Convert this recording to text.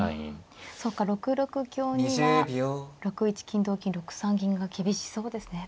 そうか６六香には６一金同金６三銀が厳しそうですね